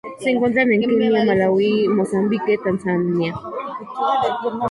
Se encuentran en Kenia, Malaui, Mozambique, Tanzania.